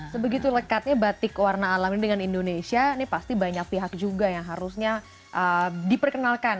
sebegitu lekatnya batik warna alam ini dengan indonesia ini pasti banyak pihak juga yang harusnya diperkenalkan